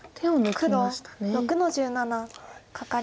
黒６の十七カカリ。